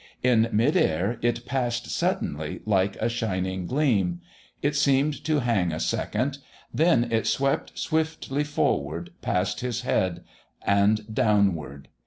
In mid air it passed suddenly, like a shining gleam; it seemed to hang a second; then it swept swiftly forward past his head and downward.